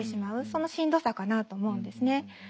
そのしんどさかなと思うんですね。